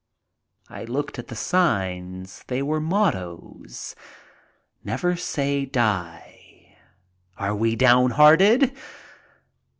I looked at the signs. They were mottoes : "Never Saj'' Die." "Are We Downhearted?"